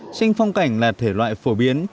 tranh phong cảnh là thể loại phổ biến